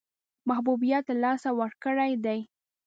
محبوبیت له لاسه ورکړی دی.